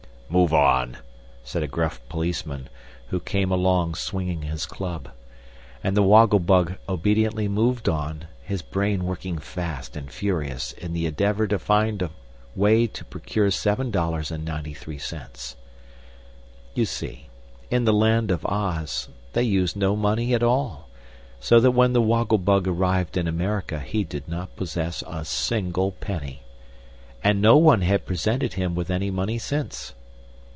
"Move on!" said a gruff policeman, who came along swinging his club. And the Woggle Bug obediently moved on, his brain working fast and furious in the endeavor to think of a way to procure seven dollars and ninety three cents. You see, in the Land of Oz they use no money at all, so that when the Woggle Bug arrived in America he did not possess a single penny. And no one had presented him with any money since.